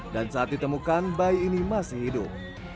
dan saat ditemukan bayi ini masih hidup